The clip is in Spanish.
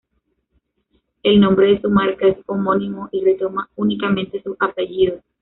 El nombre de su marca es homónimo y retoma únicamente sus apellidos.